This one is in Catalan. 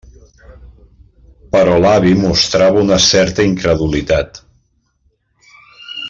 Però l'avi mostrava una certa incredulitat.